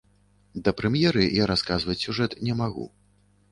Да прэм'еры я расказваць сюжэт не магу.